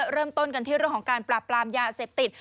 เริ่มต้นกันที่เรื่องของการปราบปรามยาเสพติด